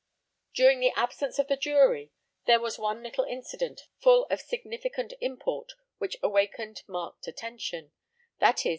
During the absence of the jury, there was one little incident, full of significant import, which awakened marked attention, viz.